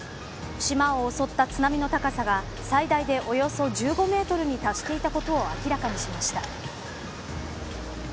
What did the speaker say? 島を襲った津波の高さは最大でおよそ１５メートルに達していたことを明らかにしました。